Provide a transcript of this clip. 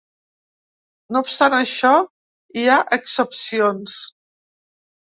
No obstant això, hi ha excepcions.